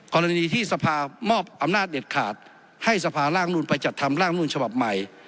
กรณีที่สภามอบอำนาจเด็ดขาดให้สภาร่างนุ่นไปจัดทำร่างนูลฉบับใหม่